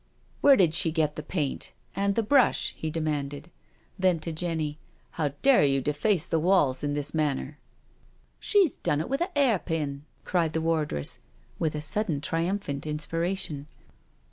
" Where did she get the paint?— And the brush?" he demanded. Then to Jenny: "How dare you deface the wall in that manner?" " She's done it with a nairpin," cried the wardress, with a sudden triumphant inspiration.